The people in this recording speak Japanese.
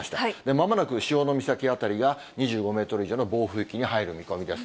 まもなく潮岬辺りが２５メートル以上の暴風域に入る見込みです。